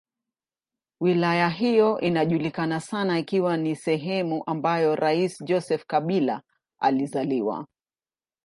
Wilaya hiyo inajulikana sana ikiwa ni sehemu ambayo rais Joseph Kabila alizaliwa.